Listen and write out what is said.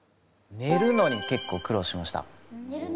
ねるのに結構苦労しました。